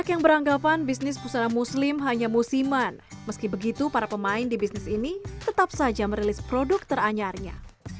yang beranggapan bisnis pusana muslim hanya musiman meski begitu para pemain di bisnis ini tetap saja merilis produk teranyarnya